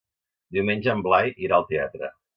Diumenge en Blai irà al teatre.